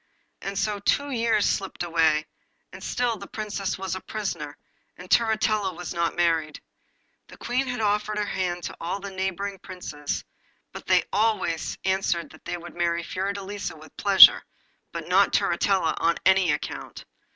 And so two years slipped away, and still the Princess was a prisoner, and Turritella was not married. The Queen had offered her hand to all the neighbouring Princes, but they always answered that they would marry Fiordelisa with pleasure, but not Turritella on any account.